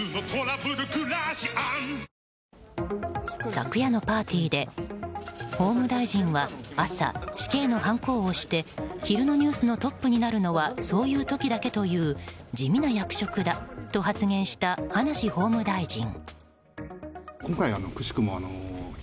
昨夜のパーティーで法務大臣は、朝死刑のはんこを押して昼のニュースのトップになるのはそういう時だけという地味な役職だと発言した葉梨法務大臣。